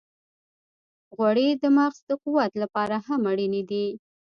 غوړې د مغز د قوت لپاره هم اړینې دي.